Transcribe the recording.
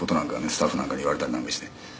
スタッフなんかに言われたりなんかして」